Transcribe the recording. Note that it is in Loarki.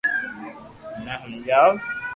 مني ھمجاوُ